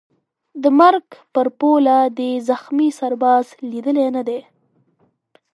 د مرګ پر پوله دي زخمي سرباز لیدلی نه دی